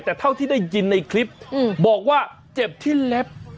แต่เท่าที่ได้ยินในคลิปบอกว่าเจ็บที่เล็บ